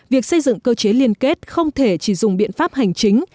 việc xây dựng cơ chế liên kết không thể chỉ dùng biện pháp hành chính